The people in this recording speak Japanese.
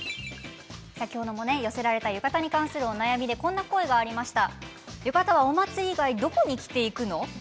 先ほども寄せられた浴衣に関するお悩みでこんな声がありました。